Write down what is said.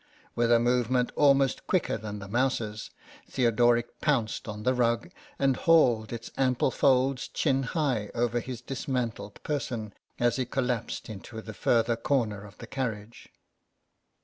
With a movement almost quicker than the mouse's, Theodoric pounced on the rug, and hauled its ample folds chin high over his dismantled person as he collapsed into the further corner of the carriage.